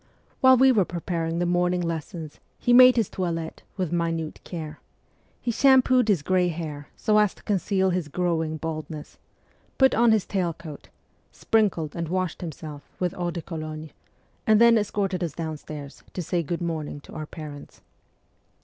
While we were preparing the morning lessons he made his toilet with minute care : he sham pooed his grey hair so as to conceal his growing bald ness, put on his tail coat, sprinkled and washed himself with eau de cologne, and then escorted us downstairs to say good morning to our parents.